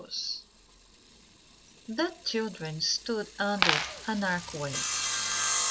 The children stood under an archway.